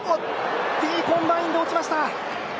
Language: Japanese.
Ｄコンバインで落ちました。